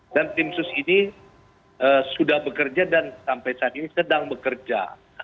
dan tim sus ini sudah bekerja dan sampai saat ini sedang bekerja